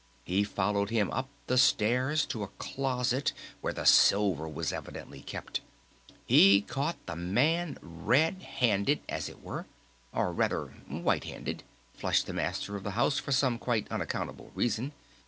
He followed him up the stairs to a closet where the silver was evidently kept! He caught the man red handed as it were! Or rather white handed," flushed the Master of the House for some quite unaccountable reason.